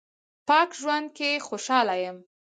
پاک ژوند کې خوشاله یم